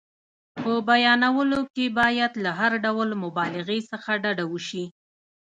په بیانولو کې باید له هر ډول مبالغې څخه ډډه وشي.